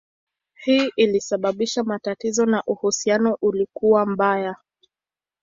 Hii ilisababisha matatizo na uhusiano ulikuwa mbaya.